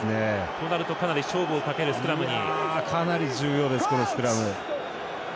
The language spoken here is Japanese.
となると、かなり勝負をかけるスクラムに。